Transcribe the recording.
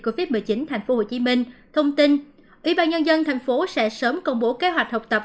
covid một mươi chín tp hcm thông tin ủy ban nhân dân tp sẽ sớm công bố kế hoạch học tập